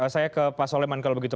saya ke pak soleman kalau begitu